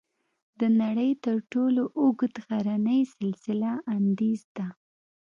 د نړۍ تر ټولو اوږد غرنی سلسله "انډیز" ده.